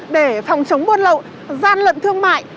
để phòng chống buôn lậu gian lận thương mại